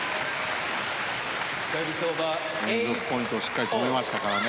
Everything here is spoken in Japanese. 連続ポイントをしっかり止めましたからね。